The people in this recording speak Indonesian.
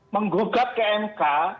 menggugat ke mk